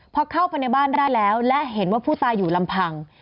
พอเข้าไปในบ้านได้แล้วและเห็นว่าผู้ตายอยู่ลำพัง